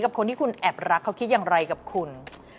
คนที่คุณแอบรักเขาคิดอย่างไรกับคุณ